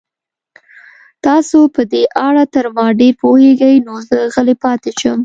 تاسو په دې اړه تر ما ډېر پوهېږئ، نو زه غلی پاتې شم.